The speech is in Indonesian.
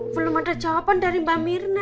belum ada jawaban dari mbak mirna